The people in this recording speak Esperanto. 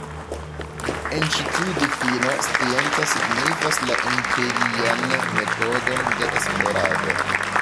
En ĉi tiu difino, scienca signifas la empirian metodon de esplorado.